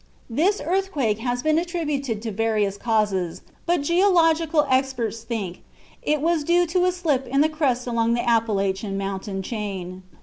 This earthquake has been attributed to various causes, but geological experts think that it was due to a slip in the crust along the Appalachian Mountain chain.